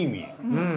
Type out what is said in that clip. うん。